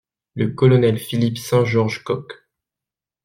Le Colonel Philip St George Cocke.